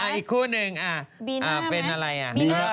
อ่ะอ่ะอีกคู่หนึ่งอ่ะเป็นอะไรอ่ะ